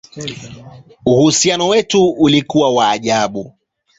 Uhusiano wetu ulikuwa wa ajabu!